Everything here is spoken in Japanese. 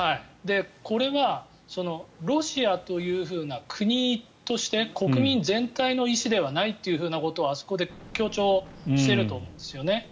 これはロシアというふうな国として国民全体の意思ではないというふうなことをあそこで強調していると思うんですよね。